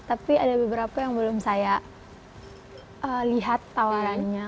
tapi ada beberapa yang belum saya lihat tawarannya